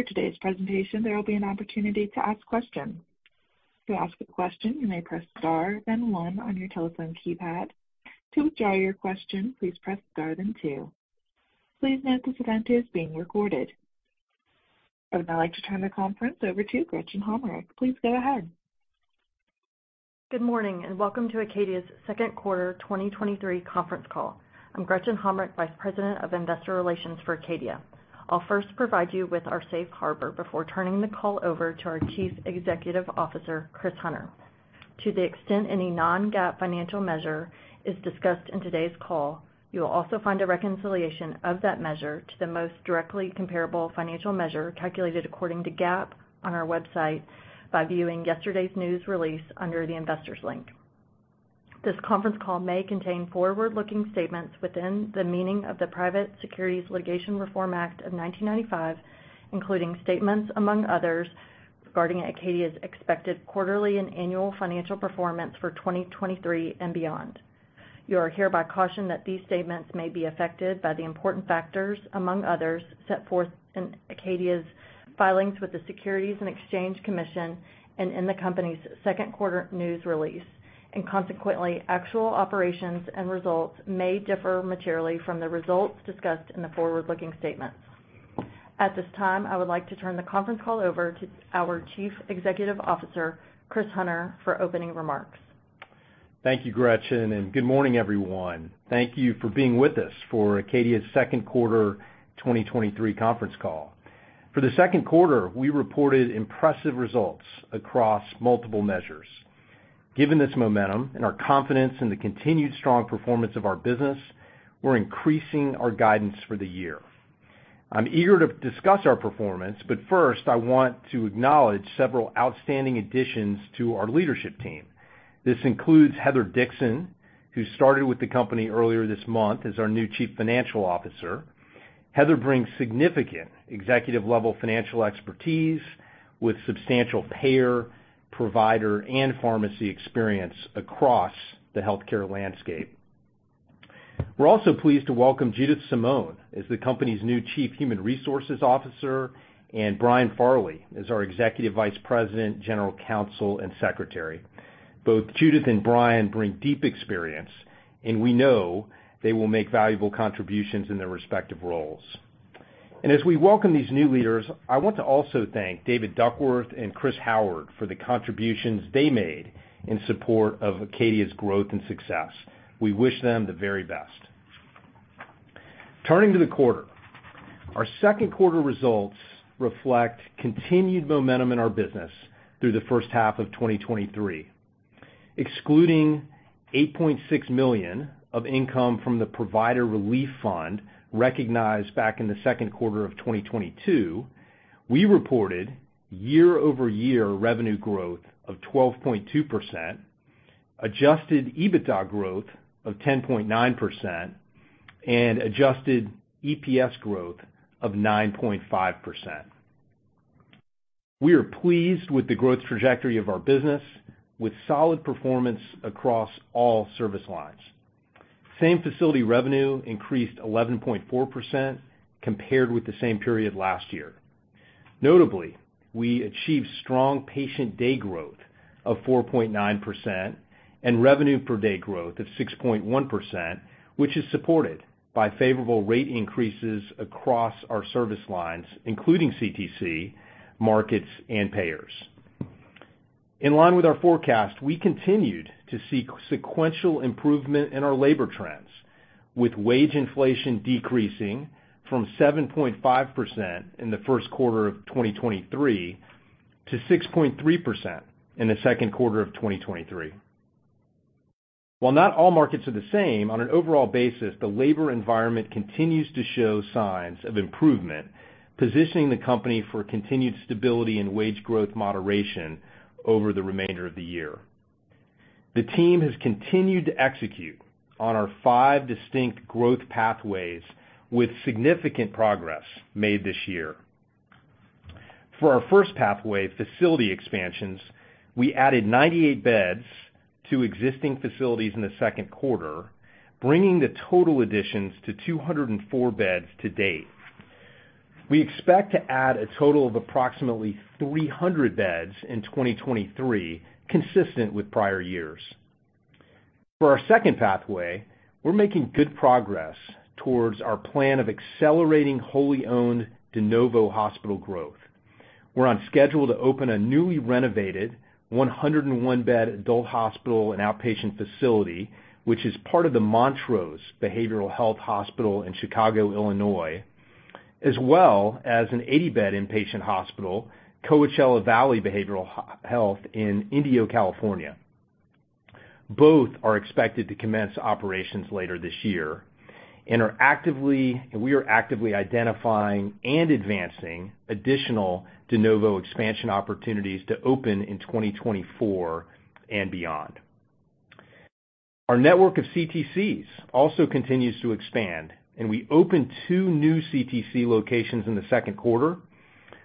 After today's presentation, there will be an opportunity to ask questions. To ask a question, you may press star, then one on your telephone keypad. To withdraw your question, please press star, then two. Please note this event is being recorded. I would now like to turn the conference over to Gretchen Hommrich. Please go ahead. Good morning, and welcome to Acadia's Second Quarter 2023 Conference Call. I'm Gretchen Hommrich, Vice President of Investor Relations for Acadia. I'll first provide you with our safe harbor before turning the call over to our Chief Executive Officer, Chris Hunter. To the extent any non-GAAP financial measure is discussed in today's call, you will also find a reconciliation of that measure to the most directly comparable financial measure calculated according to GAAP on our website by viewing yesterday's news release under the Investors link. This conference call may contain forward-looking statements within the meaning of the Private Securities Litigation Reform Act of 1995, including statements, among others, regarding Acadia's expected quarterly and annual financial performance for 2023 and beyond. You are hereby cautioned that these statements may be affected by the important factors, among others, set forth in Acadia's filings with the Securities and Exchange Commission and in the company's second quarter news release, and consequently, actual operations and results may differ materially from the results discussed in the forward-looking statements. At this time, I would like to turn the conference call over to our Chief Executive Officer, Chris Hunter, for opening remarks. Thank you, Gretchen. Good morning, everyone. Thank you for being with us for Acadia's second quarter 2023 conference call. For the second quarter, we reported impressive results across multiple measures. Given this momentum and our confidence in the continued strong performance of our business, we're increasing our guidance for the year. I'm eager to discuss our performance. First, I want to acknowledge several outstanding additions to our leadership team. This includes Heather Dixon, who started with the company earlier this month as our new Chief Financial Officer. Heather brings significant executive-level financial expertise with substantial payer, provider, and pharmacy experience across the healthcare landscape. We're also pleased to welcome Judith Scimone as the company's new Chief Human Resources Officer and Brian Farley as our Executive Vice President, General Counsel, and Secretary. Both Judith and Brian bring deep experience, and we know they will make valuable contributions in their respective roles. As we welcome these new leaders, I want to also thank David Duckworth and Chris Howard for the contributions they made in support of Acadia's growth and success. We wish them the very best. Turning to the quarter, our second quarter results reflect continued momentum in our business through the first half of 2023. Excluding $8.6 million of income from the Provider Relief Fund, recognized back in the second quarter of 2022, we reported year-over-year revenue growth of 12.2%, adjusted EBITDA growth of 10.9%, and adjusted EPS growth of 9.5%. We are pleased with the growth trajectory of our business, with solid performance across all service lines. Same-facility revenue increased 11.4% compared with the same period last year. Notably, we achieved strong patient day growth of 4.9% and revenue per day growth of 6.1%, which is supported by favorable rate increases across our service lines, including CTC, markets, and payers. In line with our forecast, we continued to see sequential improvement in our labor trends, with wage inflation decreasing from 7.5% in the first quarter of 2023 to 6.3% in the second quarter of 2023. While not all markets are the same, on an overall basis, the labor environment continues to show signs of improvement, positioning the company for continued stability and wage growth moderation over the remainder of the year. The team has continued to execute on our five distinct growth pathways, with significant progress made this year. For our first pathway, facility expansions, we added 98 beds to existing facilities in the second quarter, bringing the total additions to 204 beds to date. We expect to add a total of approximately 300 beds in 2023, consistent with prior years. For our second pathway, we're making good progress towards our plan of accelerating wholly owned de novo hospital growth. We're on schedule to open a newly renovated 101-bed adult hospital and outpatient facility, which is part of the Montrose Behavioral Health Hospital in Chicago, Illinois, as well as an 80-bed inpatient hospital, Coachella Valley Behavioral Health in Indio, California. Both are expected to commence operations later this year, and we are actively identifying and advancing additional de novo expansion opportunities to open in 2024 and beyond. Our network of CTCs also continues to expand, and we opened 2 new CTC locations in the second quarter.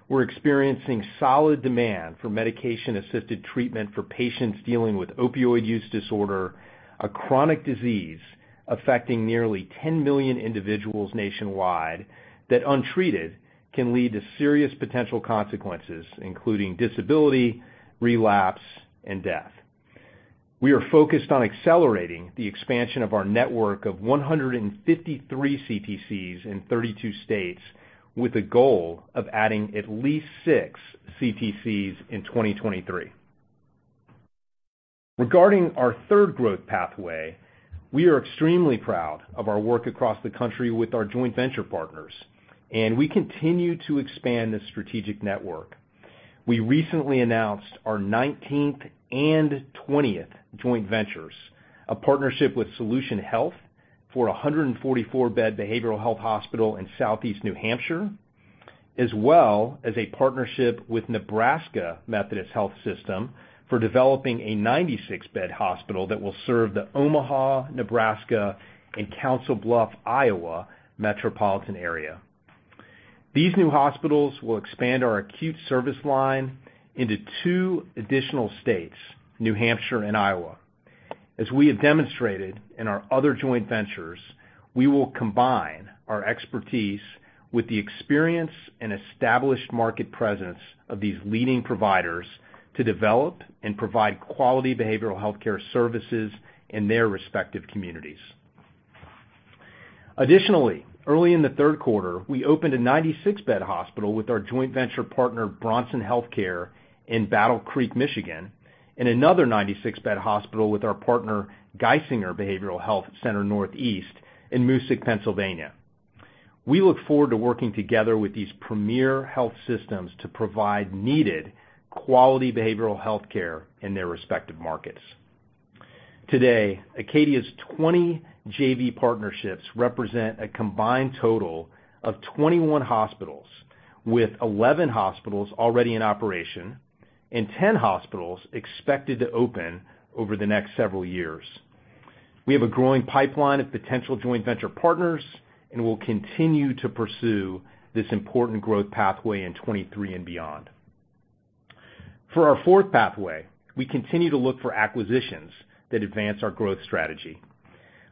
We're experiencing solid demand for medication-assisted treatment for patients dealing with opioid use disorder, a chronic disease affecting nearly 10 million individuals nationwide, that untreated, can lead to serious potential consequences, including disability, relapse, and death. We are focused on accelerating the expansion of our network of 153 CTCs in 32 states, with a goal of adding at least 6 CTCs in 2023. Regarding our third growth pathway, we are extremely proud of our work across the country with our joint venture partners, and we continue to expand this strategic network. We recently announced our 19th and 20th joint ventures, a partnership with SolutionHealth for a 144-bed behavioral health hospital in Southeast New Hampshire, as well as a partnership with Nebraska Methodist Health System for developing a 96-bed hospital that will serve the Omaha, Nebraska, and Council Bluffs, Iowa metropolitan area. These new hospitals will expand our acute service line into 2 additional states, New Hampshire and Iowa. As we have demonstrated in our other joint ventures, we will combine our expertise with the experience and established market presence of these leading providers to develop and provide quality behavioral healthcare services in their respective communities. Early in the 3rd quarter, we opened a 96-bed hospital with our joint venture partner, Bronson Healthcare, in Battle Creek, Michigan, and another 96-bed hospital with our partner, Geisinger Behavioral Health Center Northeast in Moosic, Pennsylvania. We look forward to working together with these premier health systems to provide needed quality behavioral health care in their respective markets. Today, Acadia's 20 JV partnerships represent a combined total of 21 hospitals, with 11 hospitals already in operation and 10 hospitals expected to open over the next several years. We have a growing pipeline of potential joint venture partners, and we'll continue to pursue this important growth pathway in 2023 and beyond. For our fourth pathway, we continue to look for acquisitions that advance our growth strategy.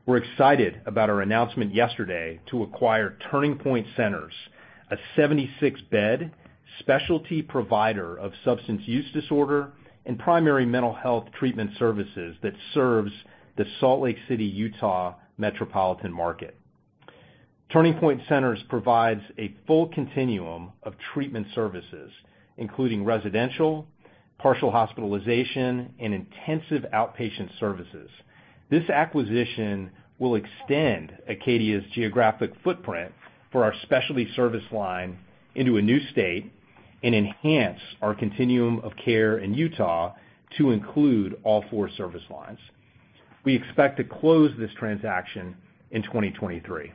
We're excited about our announcement yesterday to acquire Turning Point Centers, a 76-bed specialty provider of substance use disorder and primary mental health treatment services that serves the Salt Lake City, Utah, metropolitan market. Turning Point Centers provides a full continuum of treatment services, including residential, partial hospitalization, and intensive outpatient services. This acquisition will extend Acadia's geographic footprint for our specialty service line into a new state and enhance our continuum of care in Utah to include all four service lines. We expect to close this transaction in 2023.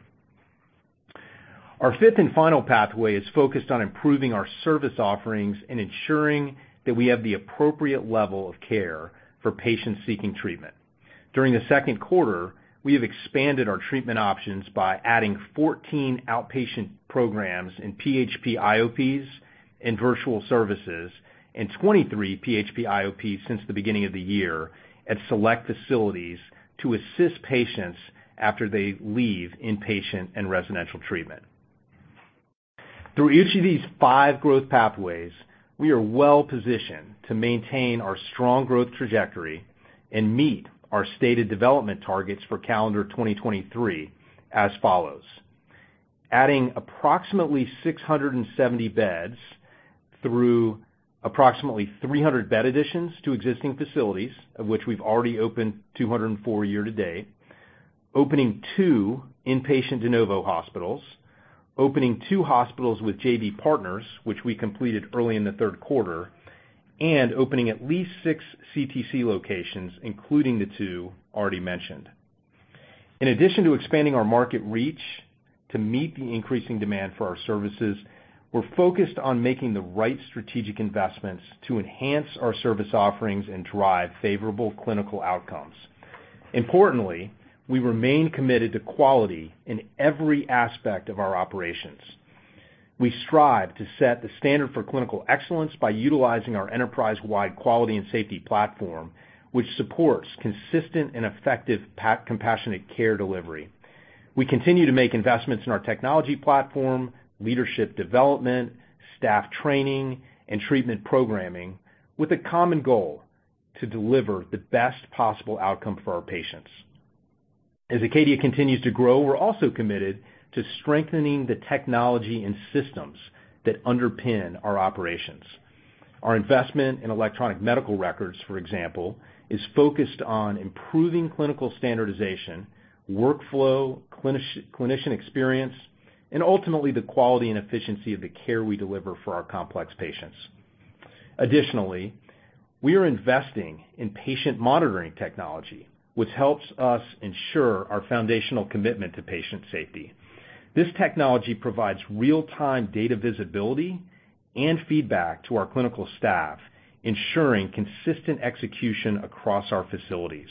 Our fifth and final pathway is focused on improving our service offerings and ensuring that we have the appropriate level of care for patients seeking treatment. During the second quarter, we have expanded our treatment options by adding 14 outpatient programs in PHP IOPs and virtual services and 23 PHP IOPs since the beginning of the year at select facilities to assist patients after they leave inpatient and residential treatment. Through each of these five growth pathways, we are well positioned to maintain our strong growth trajectory and meet our stated development targets for calendar 2023 as follows: adding approximately 670 beds through approximately 300 bed additions to existing facilities, of which we've already opened 204 year to date, opening two inpatient de novo hospitals, opening two hospitals with JV partners, which we completed early in the third quarter, and opening at least six CTC locations, including the two already mentioned. In addition to expanding our market reach to meet the increasing demand for our services, we're focused on making the right strategic investments to enhance our service offerings and drive favorable clinical outcomes. Importantly, we remain committed to quality in every aspect of our operations. We strive to set the standard for clinical excellence by utilizing our enterprise-wide quality and safety platform, which supports consistent and effective compassionate care delivery. We continue to make investments in our technology platform, leadership development, staff training, and treatment programming with a common goal: to deliver the best possible outcome for our patients. As Acadia continues to grow, we're also committed to strengthening the technology and systems that underpin our operations. Our investment in electronic medical records, for example, is focused on improving clinical standardization, workflow, clinician experience, and ultimately, the quality and efficiency of the care we deliver for our complex patients. Additionally, we are investing in patient monitoring technology, which helps us ensure our foundational commitment to patient safety. This technology provides real-time data visibility and feedback to our clinical staff, ensuring consistent execution across our facilities.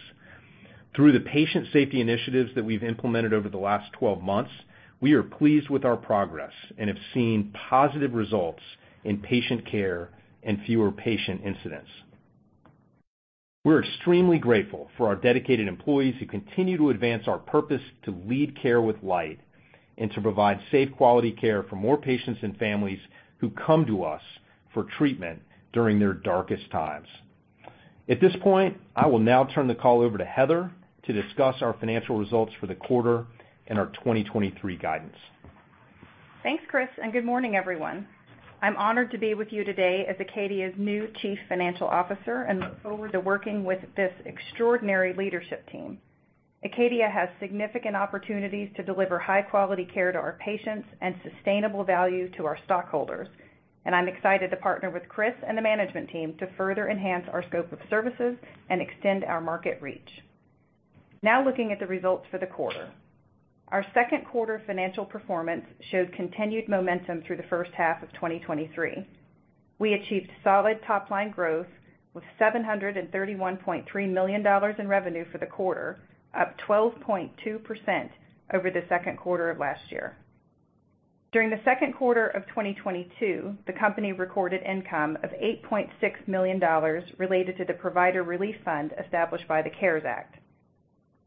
Through the patient safety initiatives that we've implemented over the last 12 months, we are pleased with our progress and have seen positive results in patient care and fewer patient incidents. We're extremely grateful for our dedicated employees who continue to advance our purpose to lead care with light, and to provide safe, quality care for more patients and families who come to us for treatment during their darkest times. At this point, I will now turn the call over to Heather to discuss our financial results for the quarter and our 2023 guidance. Thanks, Chris. Good morning, everyone. I'm honored to be with you today as Acadia's new Chief Financial Officer, and look forward to working with this extraordinary leadership team. Acadia has significant opportunities to deliver high-quality care to our patients and sustainable value to our stockholders, and I'm excited to partner with Chris and the management team to further enhance our scope of services and extend our market reach. Now looking at the results for the quarter. Our second quarter financial performance showed continued momentum through the first half of 2023. We achieved solid top-line growth, with $731.3 million in revenue for the quarter, up 12.2% over the second quarter of last year. During the second quarter of 2022, the company recorded income of $8.6 million related to the Provider Relief Fund established by the CARES Act.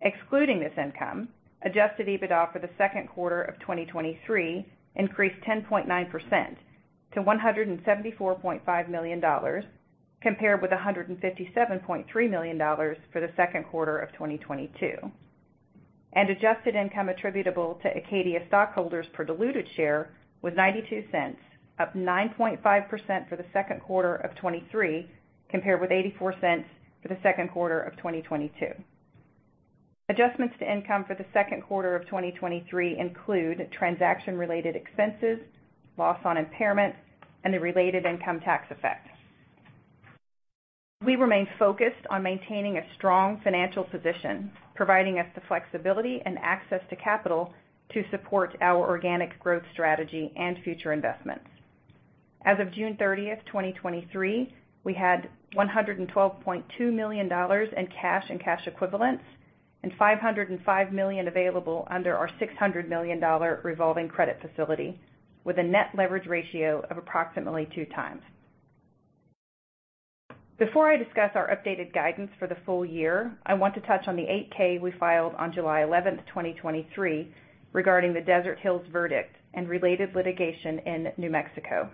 Excluding this income, adjusted EBITDA for the second quarter of 2023 increased 10.9% to $174.5 million, compared with $157.3 million for the second quarter of 2022. Adjusted income attributable to Acadia stockholders per diluted share was $0.92, up 9.5% for the second quarter of 2023, compared with $0.84 for the second quarter of 2022. Adjustments to income for the second quarter of 2023 include transaction-related expenses, loss on impairment, and the related income tax effect. We remain focused on maintaining a strong financial position, providing us the flexibility and access to capital to support our organic growth strategy and future investments. As of June 30th, 2023, we had $112.2 million in cash and cash equivalents, and $505 million available under our $600 million revolving credit facility, with a net leverage ratio of approximately two times. Before I discuss our updated guidance for the full year, I want to touch on the 8-K we filed on July 11th, 2023, regarding the Desert Hills verdict and related litigation in New Mexico.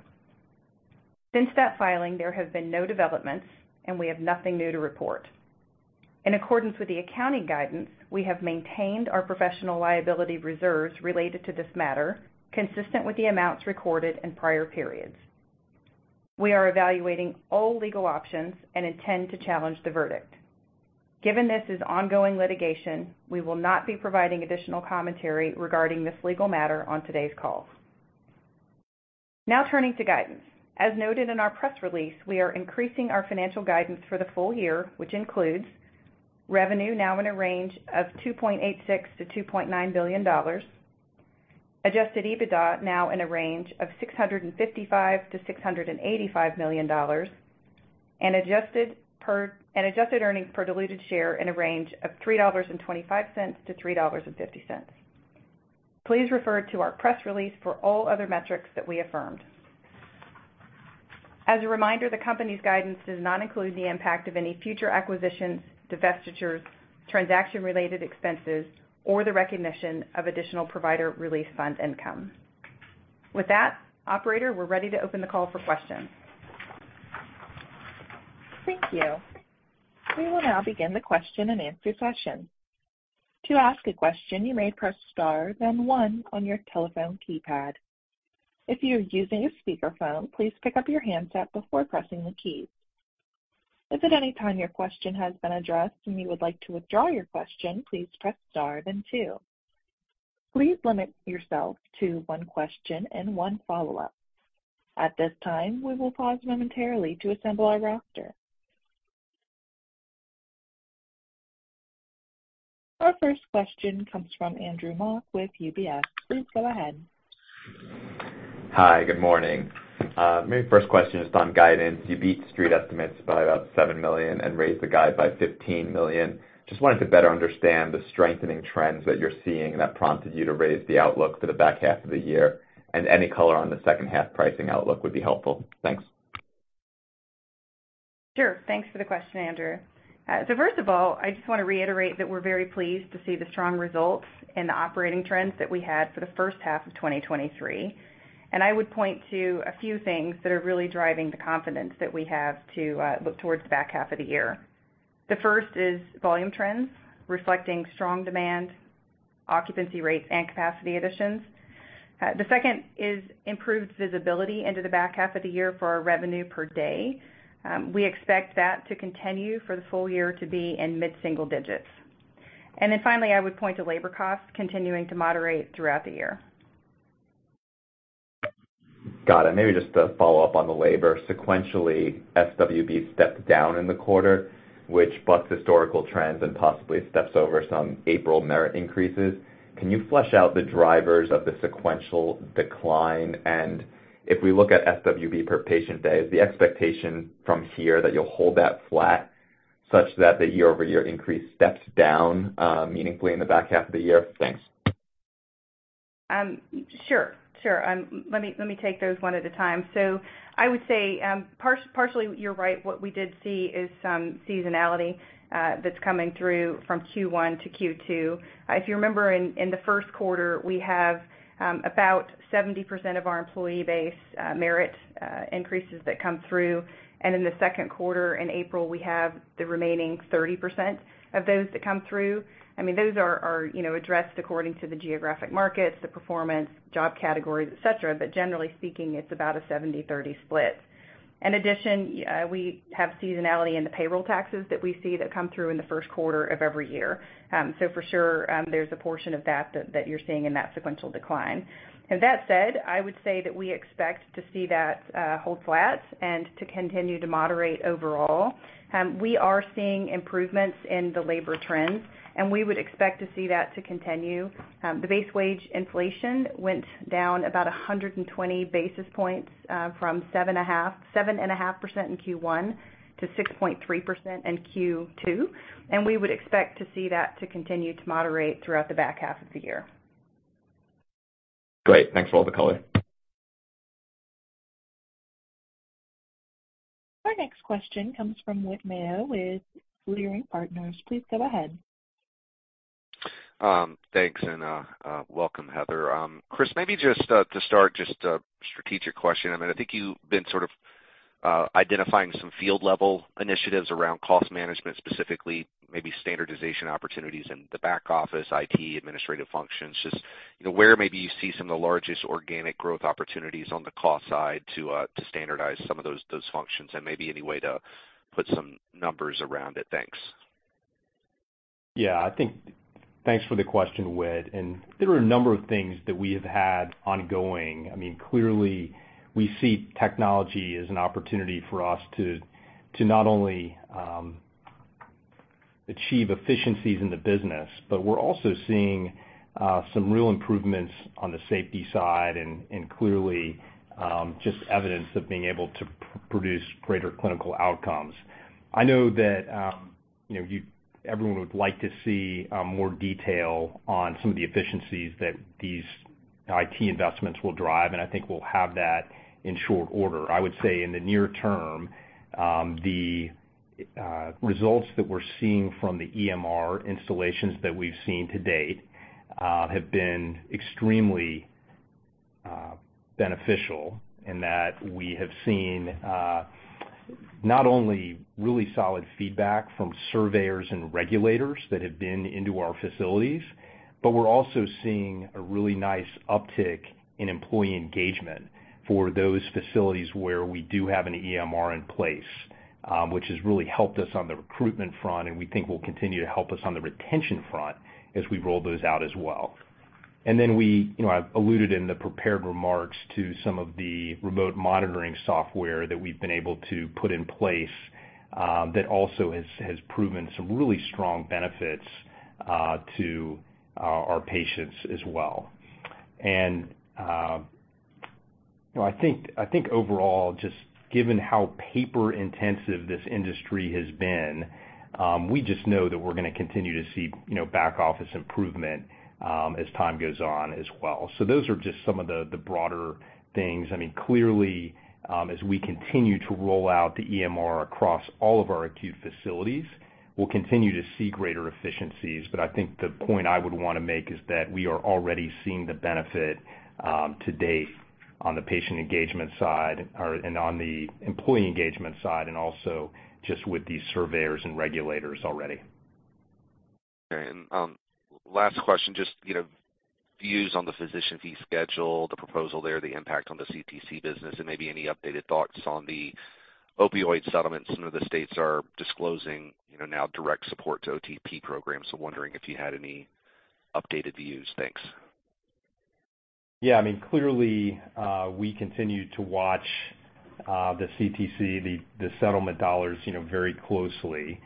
Since that filing, there have been no developments, and we have nothing new to report. In accordance with the accounting guidance, we have maintained our professional liability reserves related to this matter, consistent with the amounts recorded in prior periods. We are evaluating all legal options and intend to challenge the verdict. Given this is ongoing litigation, we will not be providing additional commentary regarding this legal matter on today's call. Now turning to guidance. As noted in our press release, we are increasing our financial guidance for the full year, which includes revenue now in a range of $2.86 billion-$2.9 billion, adjusted EBITDA now in a range of $655 million-$685 million, and adjusted earnings per diluted share in a range of $3.25-$3.50. Please refer to our press release for all other metrics that we affirmed. As a reminder, the company's guidance does not include the impact of any future acquisitions, divestitures, transaction-related expenses, or the recognition of additional Provider Relief Fund income. With that, operator, we're ready to open the call for questions. Thank you. We will now begin the question-and-answer session. To ask a question, you may press star and then one on your telephone keypad. If you are using a speakerphone, please pick up your handset before pressing the keys. If at any time your question has been addressed and you would like to withdraw your question, please press star and then two. Please limit yourself to one question and one follow-up. At this time, we will pause momentarily to assemble our roster. Our first question comes from Andrew Mok with UBS. Please go ahead. Hi, good morning. My first question is on guidance. You beat street estimates by about $7 million and raised the guide by $15 million. Just wanted to better understand the strengthening trends that you're seeing that prompted you to raise the outlook for the back half of the year, and any color on the second half pricing outlook would be helpful. Thanks. Sure. Thanks for the question, Andrew. First of all, I just want to reiterate that we're very pleased to see the strong results and the operating trends that we had for the first half of 2023. I would point to a few things that are really driving the confidence that we have to look towards the back half of the year. The first is volume trends, reflecting strong demand, occupancy rates, and capacity additions. The second is improved visibility into the back half of the year for our revenue per day. We expect that to continue for the full year to be in mid-single digits. Then finally, I would point to labor costs continuing to moderate throughout the year. Got it. Maybe just a follow-up on the labor. Sequentially, SWB stepped down in the quarter, which bucks historical trends and possibly steps over some April merit increases. Can you flesh out the drivers of the sequential decline? If we look at SWB per patient day, is the expectation from here that you'll hold that flat such that the year-over-year increase steps down meaningfully in the back half of the year? Thanks.... sure, sure. Let me, let me take those one at a time. I would say, partially, you're right. What we did see is some seasonality that's coming through from Q1 to Q2. If you remember, in, in the first quarter, we have about 70% of our employee base merit increases that come through, and in the second quarter, in April, we have the remaining 30% of those that come through. I mean, those are, are, you know, addressed according to the geographic markets, the performance, job categories, et cetera, but generally speaking, it's about a 70/30 split. In addition, we have seasonality in the payroll taxes that we see that come through in the first quarter of every year. For sure, there's a portion of that, that, that you're seeing in that sequential decline. That said, I would say that we expect to see that hold flat and to continue to moderate overall. We are seeing improvements in the labor trends; we would expect to see that to continue. The base wage inflation went down about 120 basis points from 7.5% in Q1 to 6.3% in Q2; we would expect to see that to continue to moderate throughout the back half of the year. Great. Thanks for all the color. Our next question comes from Whit Mayo with Leerink Partners. Please go ahead. Thanks, and welcome, Heather. Chris, maybe just to start, just a strategic question. I mean, I think you've been sort of identifying some field-level initiatives around cost management, specifically, maybe standardization opportunities in the back office, IT, and administrative functions. Just, you know, where maybe you see some of the largest organic growth opportunities on the cost side to standardize some of those, those functions, and maybe any way to put some numbers around it? Thanks. Yeah, thanks for the question, Whit. There are a number of things that we have had ongoing. I mean, clearly, we see technology as an opportunity for us to, to not only achieve efficiencies in the business, but we're also seeing some real improvements on the safety side and, and clearly, just evidence of being able to produce greater clinical outcomes. I know that, you know, everyone would like to see more detail on some of the efficiencies that these IT investments will drive, and I think we'll have that in short order. I would say in the near term, the results that we're seeing from the EMR installations that we've seen to date have been extremely beneficial in that we have seen not only really solid feedback from surveyors and regulators that have been into our facilities, but we're also seeing a really nice uptick in employee engagement for those facilities where we do have an EMR in place, which has really helped us on the recruitment front, and we think will continue to help us on the retention front as we roll those out as well. Then we, you know, I've alluded in the prepared remarks to some of the remote monitoring software that we've been able to put in place that also has, has proven some really strong benefits to our, our patients as well. You know, I think, I think overall, just given how paper-intensive this industry has been, we just know that we're gonna continue to see, you know, back office improvement as time goes on as well. Those are just some of the, the broader things. I mean, clearly, as we continue to roll out the EMR across all of our acute facilities, we'll continue to see greater efficiencies. I think the point I would want to make is that we are already seeing the benefit, to date, on the patient engagement side, or, and on the employee engagement side, and also just with the surveyors and regulators already. Okay, last question: just, you know, views on the physician fee schedule, the proposal there, the impact on the CTC business, and maybe any updated thoughts on the opioid settlement. Some of the states are disclosing, you know, now direct support to OTP programs, wondering if you had any updated views. Thanks. Yeah, I mean, clearly, we continue to watch, the CTC, the, the settlement dollars, you know, very closely.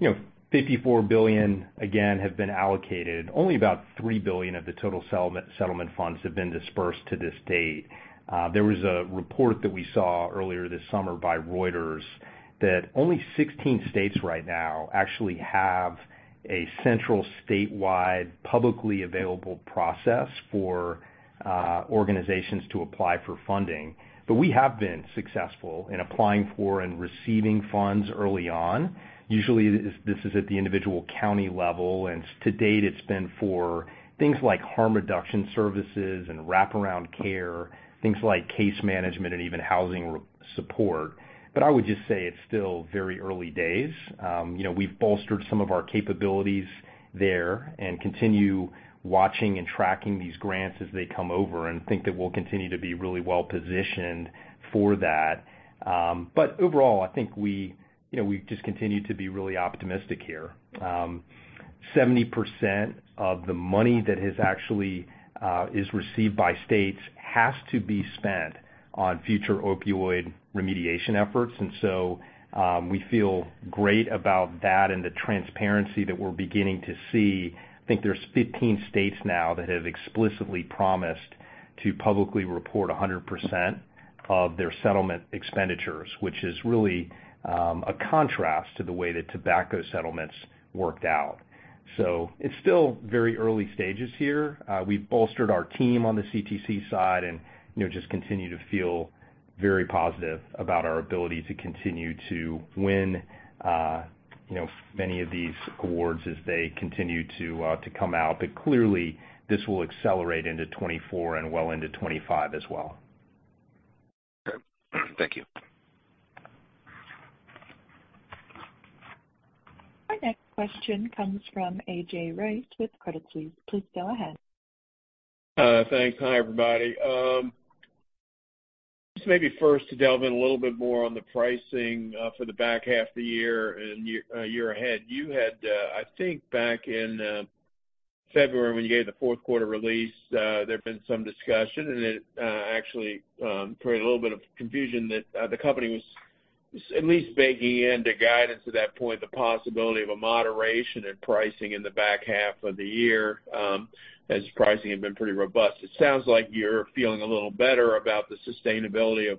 You know, $54 billion, again, have been allocated. Only about $3 billion of the total settlement funds have been disbursed to this date. There was a report that we saw earlier this summer by Reuters that only 16 states right now actually have a central, statewide, publicly available process for organizations to apply for funding. We have been successful in applying for and receiving funds early on. Usually, this, this is at the individual county level, and to date, it's been for things like harm reduction services and wraparound care, things like case management and even housing support. I would just say it's still very early days. You know, we've bolstered some of our capabilities there and continue watching and tracking these grants as they come over and think that we'll continue to be really well-positioned for that. Overall, I think we, you know, we've just continued to be really optimistic here. 70% of the money that has actually is received by states has to be spent on future opioid remediation efforts; we feel great about that and the transparency that we're beginning to see. I think there's 15 states now that have explicitly promised to publicly report 100% of their settlement expenditures, which is really a contrast to the way that tobacco settlements worked out. It's still very early stages here. We've bolstered our team on the CTC side and, you know, just continue to feel very positive about our ability to continue to win, you know, many of these awards as they continue to come out. Clearly, this will accelerate into 2024 and well into 2025 as well. Okay. Thank you. Our next question comes from A.J. Rice with Credit Suisse. Please go ahead. Thanks. Hi, everybody. Just maybe first to delve in a little bit more on the pricing for the back half of the year and year, year ahead. You had, I think back in February, when you gave the fourth quarter release, there had been some discussion, and it actually created a little bit of confusion that the company was at least baking into guidance at that point the possibility of a moderation in pricing in the back half of the year, as pricing had been pretty robust. It sounds like you're feeling a little better about the sustainability of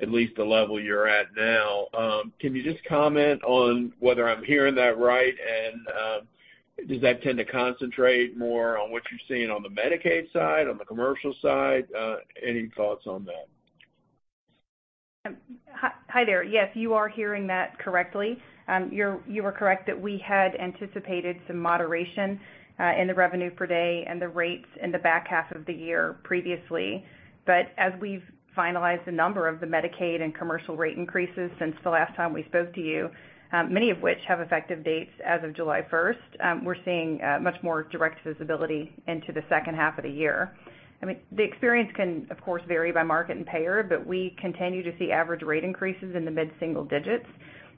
at least the level you're at now. Can you just comment on whether I'm hearing that right? Does that tend to concentrate more on what you're seeing on the Medicaid side or on the commercial side? Any thoughts on that? Hi, hi there. Yes, you are hearing that correctly. You were correct that we had anticipated some moderation in the revenue per day and the rates in the back half of the year previously. But as we've finalized a number of the Medicaid and commercial rate increases since the last time we spoke to you, many of which have effective dates as of July 1st, we're seeing much more direct visibility into the second half of the year. I mean, the experience can, of course, vary by market and payer, but we continue to see average rate increases in the mid-single digits,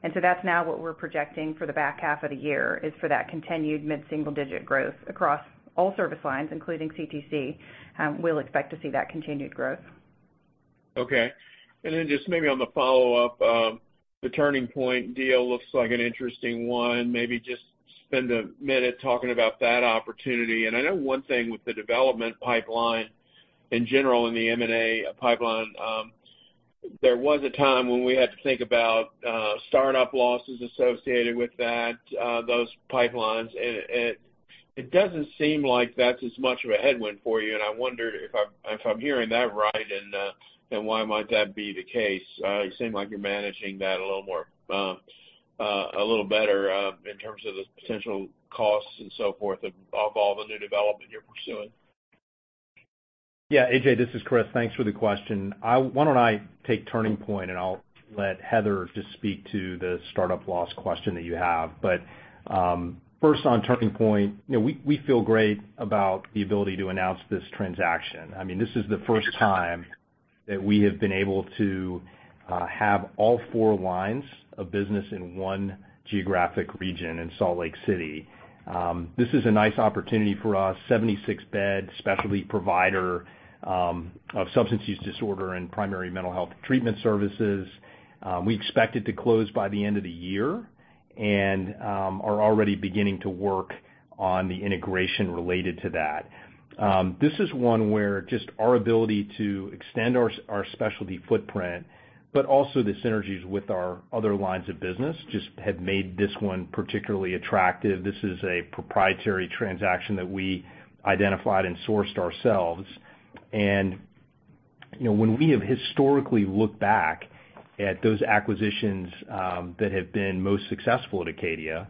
and so that's now what we're projecting for the back half of the year: for that continued mid-single-digit growth across all service lines, including CTC, we'll expect to see that continued growth. Okay. Then just maybe on the follow-up, the Turning Point deal looks like an interesting one. Maybe just spend a minute talking about that opportunity. I know one thing with the development pipeline in general: in the M&A pipeline, there was a time when we had to think about startup losses associated with that, those pipelines. It doesn't seem like that's as much of a headwind for you, and I wondered if I'm, if I'm hearing that right, and why might that be the case? You seem like you're managing that a little more, a little better, in terms of the potential costs and so forth of, of all the new development you're pursuing. Yeah, A.J., this is Chris. Thanks for the question. Why don't I take Turning Point, and I'll let Heather just speak to the startup loss question that you have? First, on Turning Point, you know, we, we feel great about the ability to announce this transaction. I mean, this is the first time that we have been able to have all four lines of business in one geographic region in Salt Lake City. This is a nice opportunity for us, 76-bed specialty provider of substance use disorder and primary mental health treatment services. We expect it to close by the end of the year and are already beginning to work on the integration related to that. This is one where just our ability to extend our specialty footprint, but also the synergies with our other lines of business, just have made this one particularly attractive. This is a proprietary transaction that we identified and sourced ourselves. You know, when we have historically looked back at those acquisitions that have been most successful at Acadia,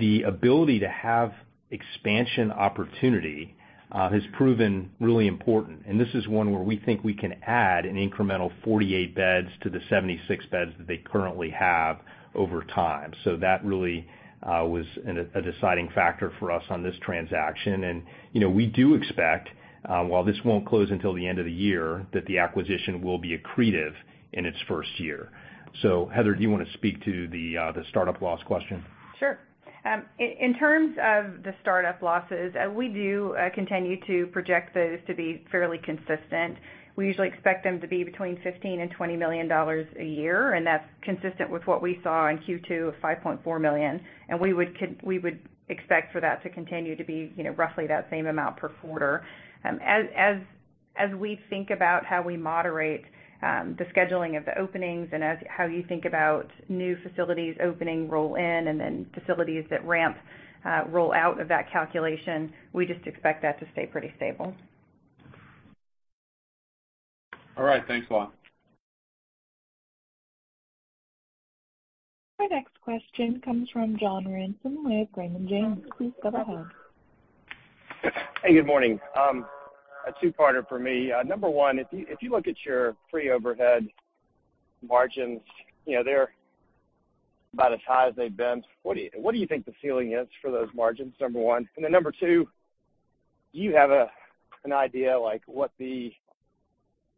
the ability to have expansion opportunity has proven really important. This is one where we think we can add an incremental 48 beds to the 76 beds that they currently have over time. That really was a deciding factor for us in this transaction. You know, we do expect, while this won't close until the end of the year, that the acquisition will be accretive in its first year. Heather, do you want to speak to the startup loss question? Sure. In terms of the startup losses, we do continue to project those to be fairly consistent. We usually expect them to be between $15 million and $20 million a year, and that's consistent with what we saw in Q2 of $5.4 million. We would expect for that to continue to be, you know, roughly that same amount per quarter. As we think about how we moderate the scheduling of the openings and how you think about new facilities opening roll-in and then facilities that ramp roll out of that calculation, we just expect that to stay pretty stable. All right. Thanks a lot. Our next question comes from John Ransom with Raymond James. Please go ahead. Hey, good morning. A 2-parter for me. Number one, if you, if you look at your pre-overhead margins, you know, they're about as high as they've been, what do you, what do you think the ceiling is for those margins, number 1? Then number two, do you have a, an idea, like, what the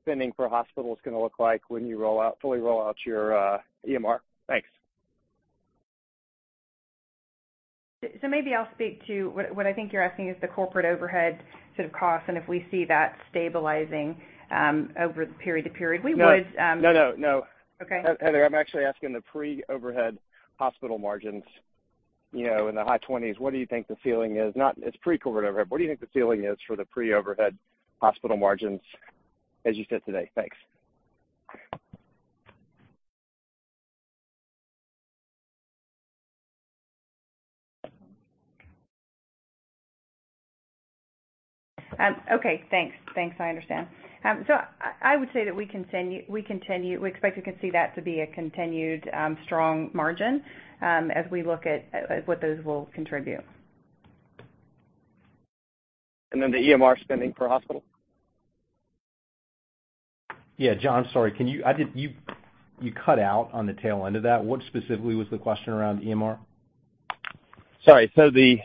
spending per hospital is gonna look like when you roll out, fully roll out your EMR? Thanks. So maybe I'll speak to what, what I think you're asking is the corporate overhead sort of cost, and if we see that stabilizing over the period to period. We would. No, no, no. Okay. Heather, I'm actually asking the pre-overhead hospital margins. You know, in the high 20s, what do you think the ceiling is? Not, it's pre-COVID overhead. What do you think the ceiling is for the pre-overhead hospital margins, as you sit today? Thanks. Okay, thanks. Thanks, I understand. I, I would say that we continue, we expect to continue that to be a continued, strong margin, as we look at, at what those will contribute. Then the EMR spending for the hospital? Yeah, John, sorry, can you--I think you, you cut out on the tail end of that. What specifically was the question around EMR? Sorry, the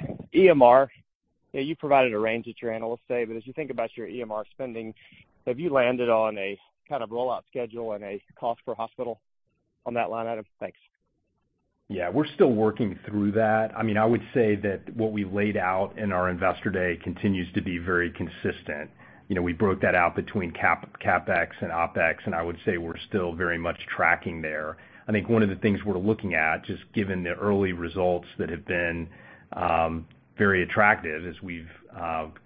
EMR—you provided a range at your Analyst Day, but as you think about your EMR spending, have you landed on a kind of rollout schedule and a cost per hospital on that line item? Thanks. Yeah, we're still working through that. I mean, I would say that what we laid out in our Investor Day continues to be very consistent. You know, we broke that out between CapEx and OpEx, and I would say we're still very much tracking there. I think one of the things we're looking at, just given the early results that have been very attractive as we've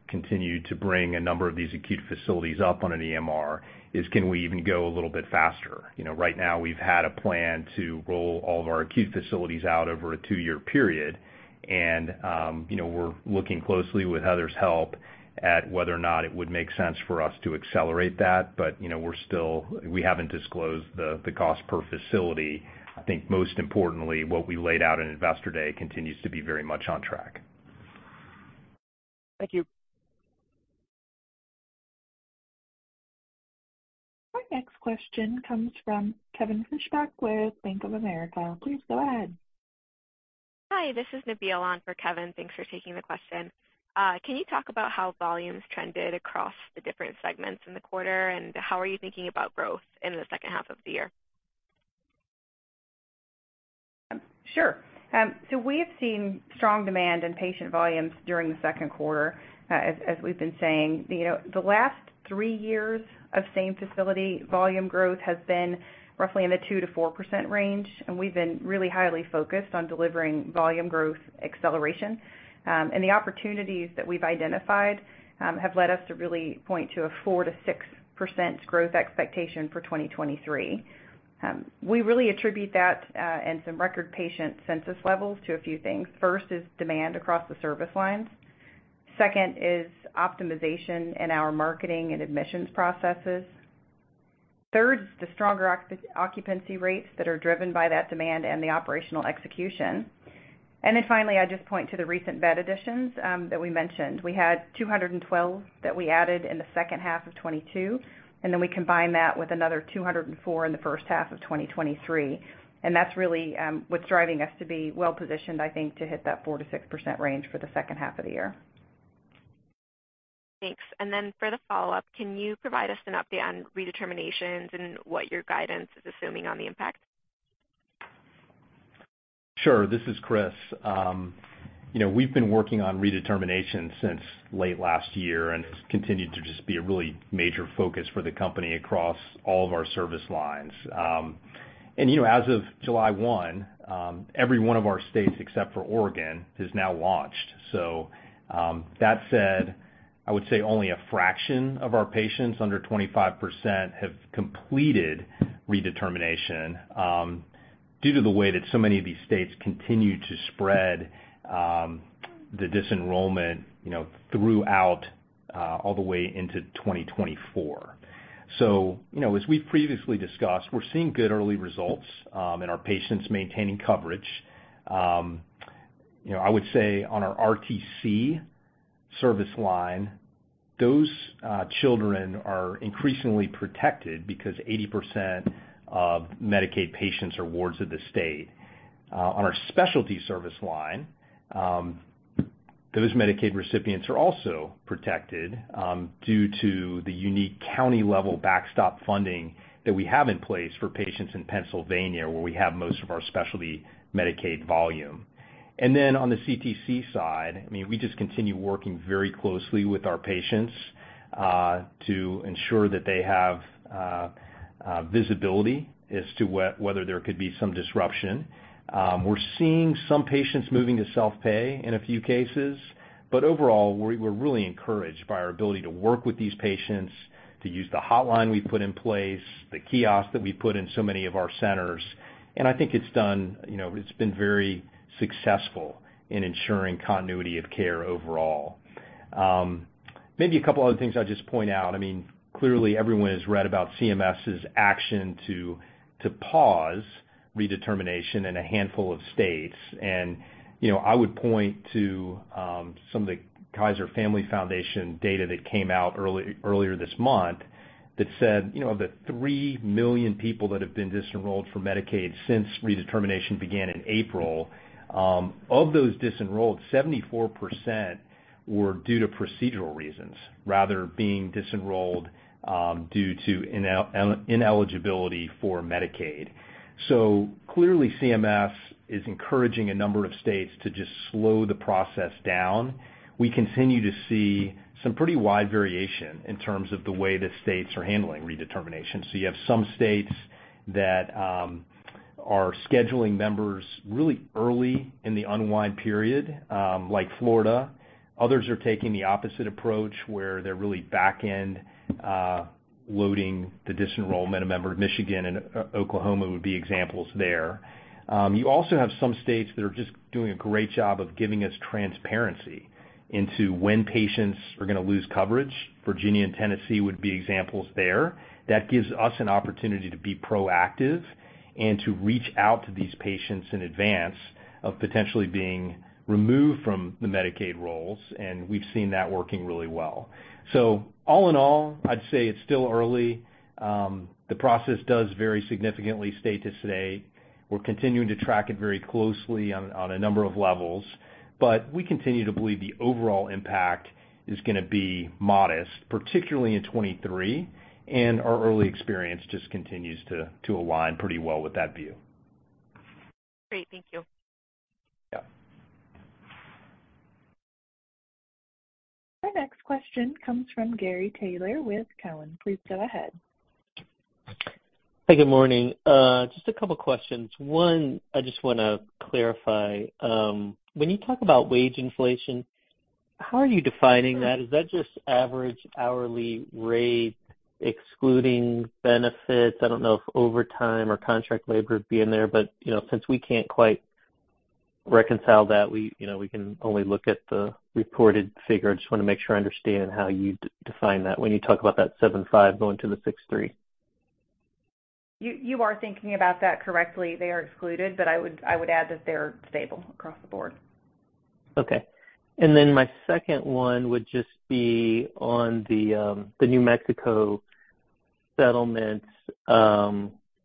continued to bring a number of these acute facilities up on an EMR, is can we even go a little bit faster? You know, right now, we've had a plan to roll all of our acute facilities out over a two-year period, and, you know, we're looking closely with Heather's help at whether or not it would make sense for us to accelerate that. You know, we haven't disclosed the, the cost per facility. I think, most importantly, what we laid out in Investor Day continues to be very much on track. Thank you. Our next question comes from Kevin Fischbeck with Bank of America. Please go ahead. Hi, this is Nabila on for Kevin. Thanks for taking the question. Can you talk about how volumes trended across the different segments in the quarter? How are you thinking about growth in the second half of the year? Sure. We have seen strong demand in patient volumes during the 2Q. As, as we've been saying, you know, the last 3 years of same-facility volume growth has been roughly in the 2%-4% range, and we've been really highly focused on delivering volume growth acceleration. The opportunities that we've identified have led us to really point to a 4%-6% growth expectation for 2023. We really attribute that and some record patient census levels to a few things. First is demand across the service lines. Second is optimization in our marketing and admissions processes. Third, the stronger occupancy rates that are driven by that demand and the operational execution. Finally, I just point to the recent bed additions that we mentioned. We had 212 that we added in the second half of 2022, and then we combined that with another 204 in the first half of 2023. That's really what's driving us to be well-positioned, I think, to hit that 4%-6% range for the second half of the year. Thanks. For the follow-up, can you provide us an update on redeterminations and what your guidance is, assuming on the impact? Sure. This is Chris. You know, we've been working on redetermination since late last year, and it's continued to just be a really major focus for Acadia across all of our service lines. You know, as of July 1, every one of our states, except for Oregon, has now launched. That said, I would say only a fraction of our patients, under 25%, have completed redetermination, due to the way that so many of these states continue to spread the disenrollment, you know, throughout all the way into 2024. You know, as we've previously discussed, we're seeing good early results in our patients maintaining coverage. You know, I would say on our RTC service line, those children are increasingly protected because 80% of Medicaid patients are wards of the state. On our specialty service line, those Medicaid recipients are also protected due to the unique county-level backstop funding that we have in place for patients in Pennsylvania, where we have most of our specialty Medicaid volume. On the CTC side, I mean, we just continue working very closely with our patients, to ensure that they have visibility as to whether there could be some disruption. We're seeing some patients moving to self-pay in a few cases, but overall, we're really encouraged by our ability to work with these patients, to use the hotline we've put in place, the kiosk that we've put in so many of our centers. I think it's done, you know; it's been very successful in ensuring continuity of care overall. Maybe two other things I'll just point out. I mean, clearly everyone has read about CMS's action to, to pause redetermination in a handful of states. You know, I would point to some of the Kaiser Family Foundation data that came out early, earlier this month, that said, you know, the 3 million people that have been disenrolled from Medicaid since redetermination began in April, of those disenrolled, 74% were due to procedural reasons rather being disenrolled due to ineligibility for Medicaid. Clearly, CMS is encouraging a number of states to just slow the process down. We continue to see some pretty wide variation in terms of the way that states are handling redetermination. You have some states that are scheduling members really early in the unwind period, like Florida. Others are taking the opposite approach, where they're really back-end loading the disenrollment of members. Michigan and Oklahoma would be examples there. You also have some states that are just doing a great job of giving us transparency into when patients are gonna lose coverage. Virginia and Tennessee would be examples there. That gives us an opportunity to be proactive and to reach out to these patients in advance of potentially being removed from the Medicaid roles, and we've seen that working really well. All in all, I'd say it's still early. The process does vary significantly state to state. We're continuing to track it very closely on a number of levels, but we continue to believe the overall impact is gonna be modest, particularly in 2023, and our early experience just continues to align pretty well with that view. Great. Thank you. Yeah. Our next question comes from Gary Taylor with Cowen. Please go ahead. Hey, good morning. Just a couple of questions. One, I just wanna clarify, when you talk about wage inflation, how are you defining that? Is that just average hourly rate, excluding benefits? I don't know if overtime or contract labor would be in there, but, you know, since we can't quite reconcile that, we, you know, we can only look at the reported figure. I just wanna make sure I understand how you define that when you talk about that 7.5% going to the 6.3%. You, you are thinking about that correctly. They are excluded, but I would, I would add that they're stable across the board. My second one would just be on the New Mexico settlements.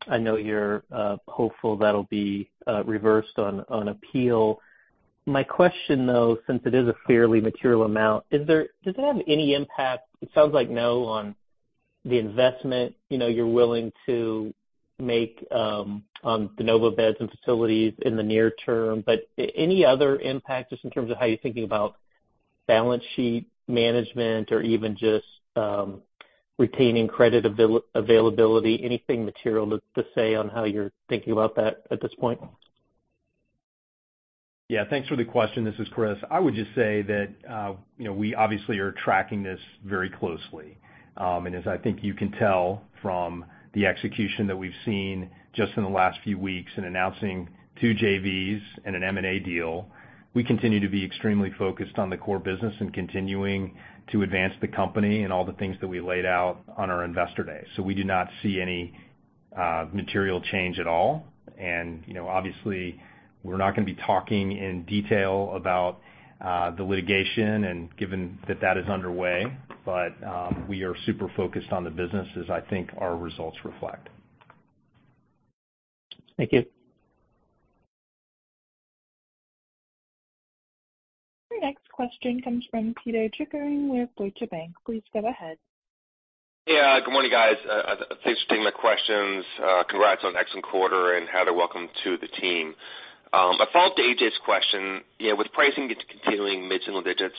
I know you're hopeful that'll be reversed on appeal. My question, though, since it is a fairly material amount, does it have any impact, it sounds like no, on the investment, you know, you're willing to make, on de novo beds and facilities in the near term. Any other impact, just in terms of how you're thinking about balance sheet management or even just retaining credit availability? Anything material to say on how you're thinking about that at this point? Yeah, thanks for the question. This is Chris. I would just say that, you know, we obviously are tracking this very closely. As I think you can tell from the execution that we've seen just in the last few weeks in announcing 2 JVs and an M&A deal, we continue to be extremely focused on the core business and continuing to advance the company and all the things that we laid out on our Investor Day. We do not see any material change at all. You know, obviously, we're not gonna be talking in detail about the litigation, and given that that is underway. We are super focused on the business, as I think our results reflect. Thank you. Your next question comes from Pito Chickering with Deutsche Bank. Please go ahead. Yeah, good morning, guys. Thanks for taking my questions. Congrats on an excellent quarter, and Heather, welcome to the team. A follow-up to A.J.'s question. You know, with pricing continuing mid-single digits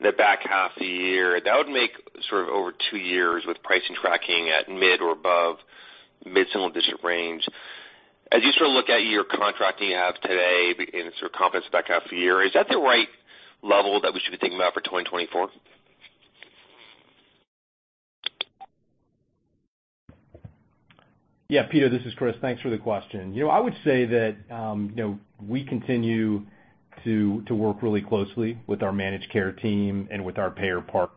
in the back half of the year, that would make sort of over 2 years with pricing tracking at mid or above mid-single-digit range. As you sort of look at your contracting you have today and sort of confidence back half of the year, is that the right level that we should be thinking about for 2024? Yeah, Peter, this is Chris. Thanks for the question. You know, I would say that, you know, we continue to, to work really closely with our managed care team and with our payer partners.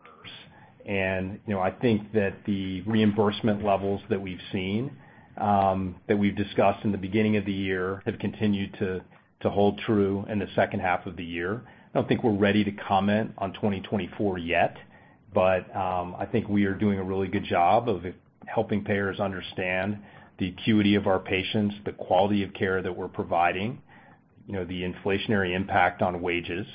You know, I think that the reimbursement levels that we've seen, that we've discussed in the beginning of the year, have continued to, to hold true in the second half of the year. I don't think we're ready to comment on 2024 yet, but, I think we are doing a really good job of helping payers understand the acuity of our patients, the quality of care that we're providing, you know, the inflationary impact on wages.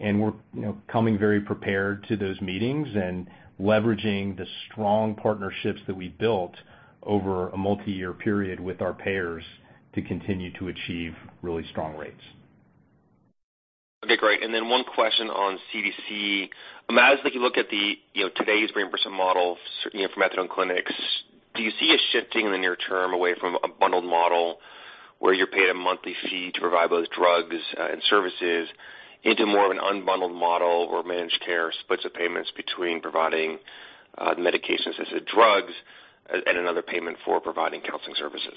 We're, you know, coming very prepared to those meetings and leveraging the strong partnerships that we built over a multiyear period with our payers to continue to achieve really strong rates. Okay, great. Then one question on CTC. As like you look at the, you know, today's reimbursement model, certainly for methadone clinics, do you see a shifting in the near term away from a bundled model, where you're paid a monthly fee to provide both drugs and services, into more of an unbundled model where managed care splits the payments between providing medications as the drugs and another payment for providing counseling services?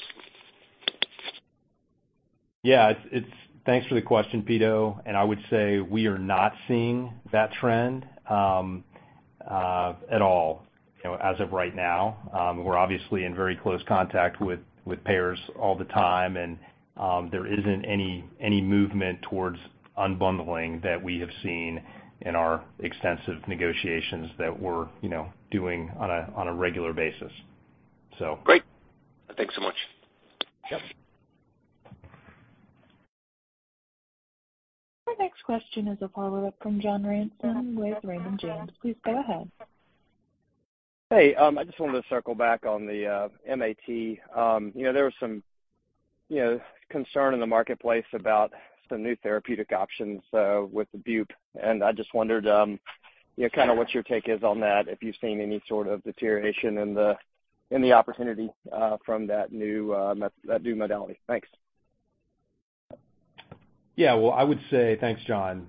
Yeah, it's thanks for the question, Pito, and I would say we are not seeing that trend at all, you know, as of right now. We're obviously in very close contact with, with payers all the time, and there isn't any, any movement towards unbundling that we have seen in our extensive negotiations that we're, you know, doing on a, on a regular basis. Great! Thanks so much. Yep. Our next question is a follow-up from John Ransom with Raymond James. Please go ahead. Hey, I just wanted to circle back on the MAT. You know, there were some... you know, concern in the marketplace about some new therapeutic options. With the bupe, I just wondered, you know, kind of what your take is on that, if you've seen any sort of deterioration in the, in the opportunity, from that new, that new modality? Thanks. Yeah. Well, I would say, Thanks, John.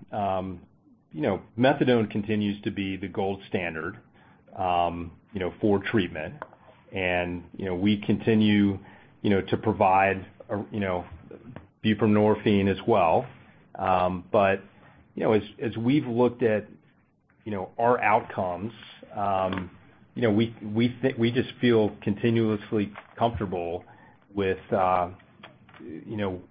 You know, methadone continues to be the gold standard, you know, for treatment. You know, we continue, you know, to provide, you know, buprenorphine as well. You know, as, as we've looked at, you know, our outcomes, you know, we just feel continuously comfortable with, you know,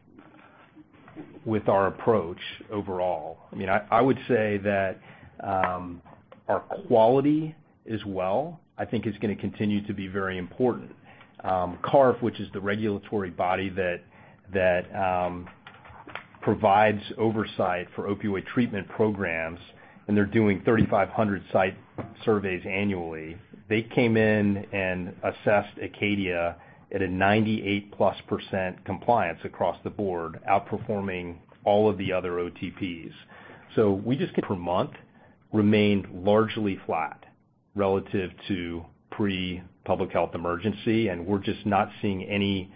with our approach overall. I mean, I, I would say that our quality as well, I think, is gonna continue to be very important. CARF, which is the regulatory body that, that provides oversight for opioid treatment programs, and they're doing 3,500 site surveys annually. They came in and assessed Acadia at a 98+% compliance across the board, outperforming all of the other OTPs. We just per month remained largely flat relative to pre-public health emergency, and we're just not seeing any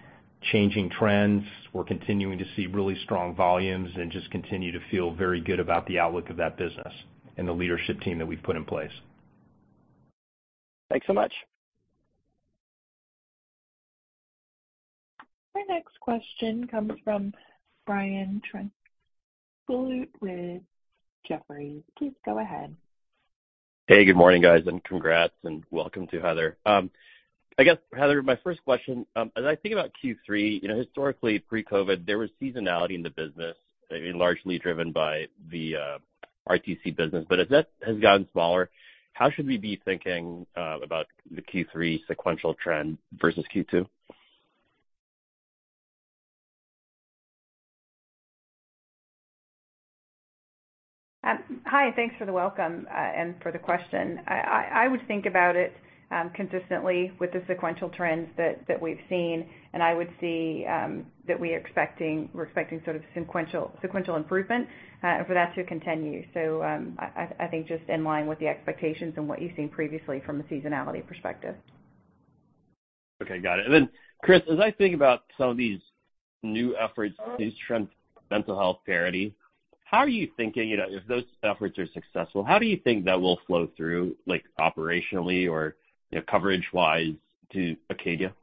changing trends. We're continuing to see really strong volumes and just continue to feel very good about the outlook of that business and the leadership team that we've put in place. Thanks so much. Our next question comes from Brian Tanquilut, with Jefferies. Please go ahead. Hey, good morning, guys, and congrats, and welcome to Heather. I guess, Heather, my first question, as I think about Q3, you know, historically, pre-COVID, there was seasonality in the business, largely driven by the RTC business. As that has gotten smaller, how should we be thinking about the Q3 sequential trend versus Q2? Hi, thanks for the welcome, and for the question. I, I, I would think about it, consistently with the sequential trends that, that we've seen, and I would see, that we are expecting, we're expecting sort of sequential, sequential improvement, for that to continue. I, I, I think just in line with the expectations and what you've seen previously from a seasonality perspective. Okay, got it. Then, Chris, as I think about some of these new efforts, these trends, Mental Health Parity, how are you thinking, you know, if those efforts are successful, how do you think that will flow through, like, operationally or, you know, coverage-wise to Acadia?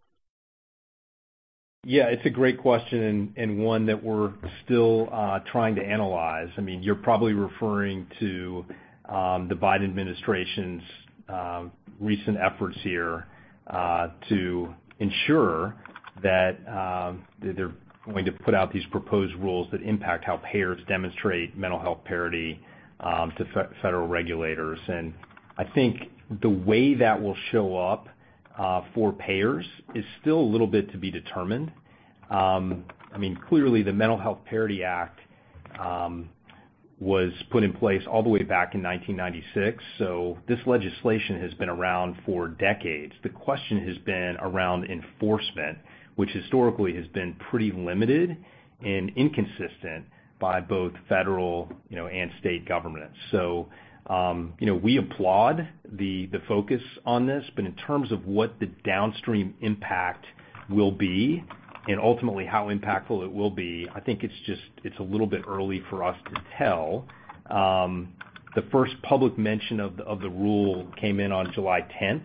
Yeah, it's a great question, and, and one that we're still trying to analyze. I mean, you're probably referring to the Biden administration's recent efforts here to ensure that they're going to put out these proposed rules that impact how payers demonstrate Mental Health Parity to federal regulators. I think the way that will show up for payers is still a little bit to be determined. I mean, clearly, the Mental Health Parity Act was put in place all the way back in 1996, so this legislation has been around for decades. The question has been around enforcement, which historically has been pretty limited and inconsistent by both federal, you know, and state governments. You know, we applaud the focus on this, but in terms of what the downstream impact will be and ultimately how impactful it will be, I think it's just, it's a little bit early for us to tell. The first public mention of the rule came in on July 10th,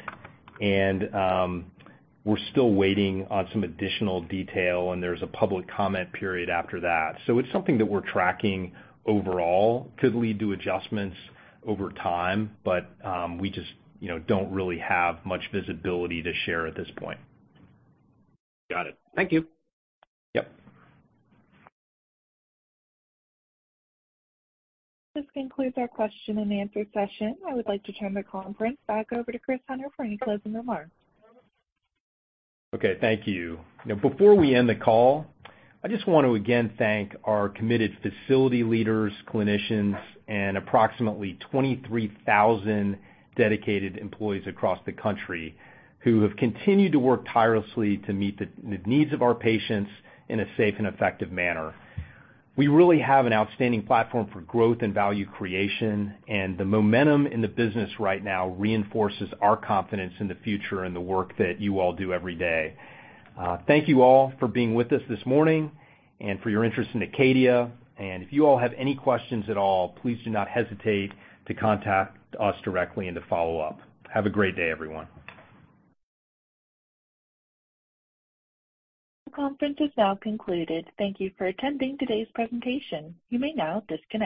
and we're still waiting on some additional detail, and there's a public comment period after that. It's something that we're tracking overall. Could lead to adjustments over time, but we just, you know, don't really have much visibility to share at this point. Got it. Thank you. Yep. This concludes our question and answer session. I would like to turn the conference back over to Chris Hunter for any closing remarks. Okay, thank you. Now, before we end the call, I just want to again thank our committed facility leaders, clinicians, and approximately 23,000 dedicated employees across the country who have continued to work tirelessly to meet the needs of our patients in a safe and effective manner. We really have an outstanding platform for growth and value creation, and the momentum in the business right now reinforces our confidence in the future and the work that you all do every day. Thank you all for being with us this morning and for your interest in Acadia. If you all have any questions at all, please do not hesitate to contact us directly and to follow up. Have a great day, everyone. The conference is now concluded. Thank you for attending today's presentation. You may now disconnect.